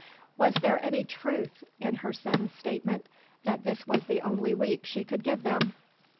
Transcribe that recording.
Was there any truth in her sudden statement that this was the only week she could give them?